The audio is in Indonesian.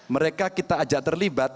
mereka kita ajak terlibat